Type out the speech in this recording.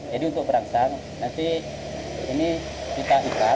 jadi untuk perangsang nanti ini kita ikat